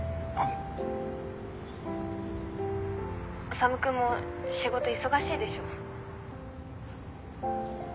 修君も仕事忙しいでしょ？